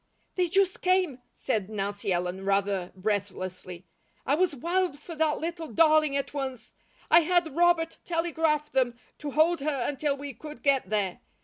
"They just came," said Nancy Ellen rather breathlessly. "I was wild for that little darling at once. I had Robert telegraph them to hold her until we could get there.